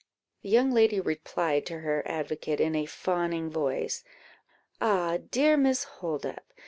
The young lady replied to her advocate, in a fawning voice "Ah, dear Miss Holdup!